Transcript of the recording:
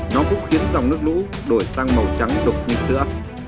nó cũng khiến dòng nước lũ đổi sang màu trắng đục như sữa